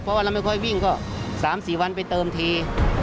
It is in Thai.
เพราะว่าเราไม่ค่อยวิ่งก็๓๔วันไปเติมที